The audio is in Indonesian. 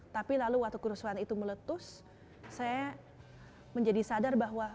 tapi lalu waktu kerusuhan itu meletus saya menjadi sadar bahwa